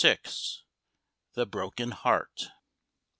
THE BROKEN HEART.